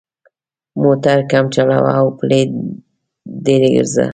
موټر کم چلوه او پلي ډېر ګرځه.